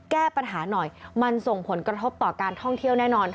แก้ปัญหาหน่อยมันส่งผลกระทบต่อการท่องเที่ยวแน่นอน